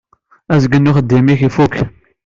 Azgen n uxeddim-ik ifukk.